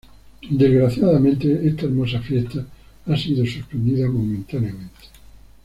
Desgraciadamente esta hermosa fiesta ha sido suspendida momentáneamente.